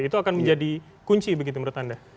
itu akan menjadi kunci begitu menurut anda